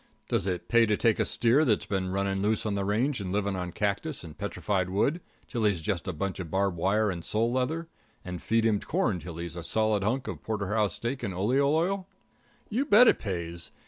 Does it pay to take a steer that's been running loose on the range and living on cactus and petrified wood till he's just a bunch of barb wire and sole leather, and feed him corn till he's just a solid hunk of porterhouse steak and oleo oil? You bet it pays.